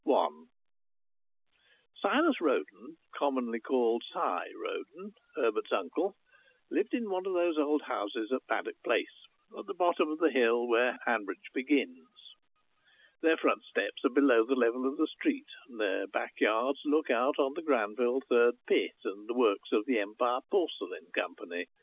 I Silas Roden, commonly called Si Roden Herbert's uncle lived in one of those old houses at Paddock Place, at the bottom of the hill where Hanbridge begins. Their front steps are below the level of the street, and their backyards look out on the Granville Third Pit and the works of the Empire Porcelain Company.